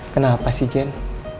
kenapa sih jane